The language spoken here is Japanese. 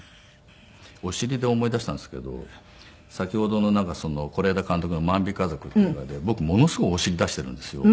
お尻で思い出したんですけど先ほどの是枝監督の『万引き家族』っていうので僕ものすごいお尻出しているんですよ。